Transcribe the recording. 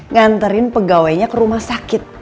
nganterin pegawainya ke rumah sakit